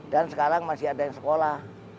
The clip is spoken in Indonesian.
dan sekarang masih ada yang sekolah